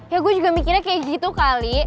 ya gue juga mikirnya kayak gitu kali